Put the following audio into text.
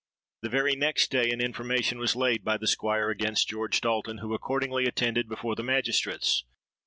The very next day an information was laid by the Squire against George Dalton, who accordingly attended before the magistrates.